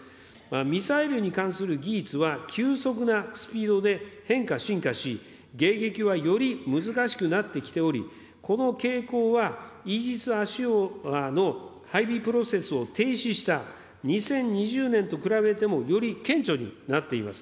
ミサイルに関する技術は急速なスピードで変化、進化し、迎撃はより難しくなってきており、この傾向はイージス・アショアの配備プロセスを停止した、２０２０年と比べてもより顕著になっています。